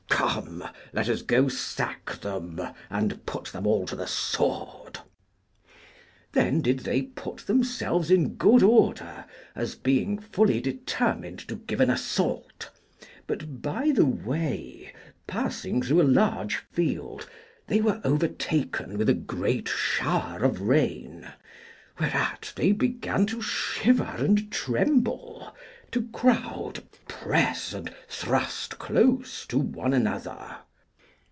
Come, let us go sack them, and put them all to the sword. Then did they put themselves in good order, as being fully determined to give an assault, but by the way, passing through a large field, they were overtaken with a great shower of rain, whereat they began to shiver and tremble, to crowd, press, and thrust close to one another.